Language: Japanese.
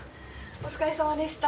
お疲れさまでした。